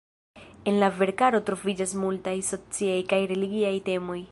En la verkaro troviĝas multaj sociaj kaj religiaj temoj.